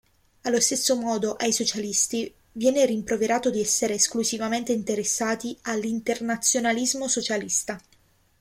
Allo stesso modo ai socialisti viene rimproverato di essere esclusivamente interessati all'internazionalismo socialista.